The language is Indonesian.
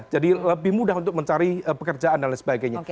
jadi lebih mudah untuk mencari pekerjaan dan lain sebagainya